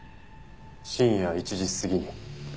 深夜１時過ぎに？